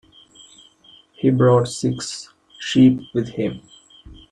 He brought six sheep with him.